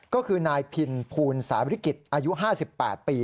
ก็คือนายพินภูลสาวิทธิกฤติอายุ๕๘ปี